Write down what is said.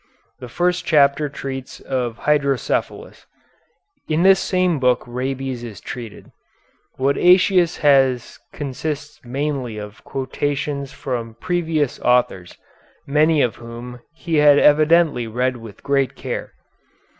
The first chapter treats of hydrocephalus. In this same book rabies is treated. What Aëtius has consists mainly of quotations from previous authors, many of whom he had evidently read with great care.